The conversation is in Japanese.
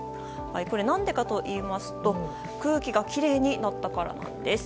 これ、何でかというと、空気がきれいになったからなんです。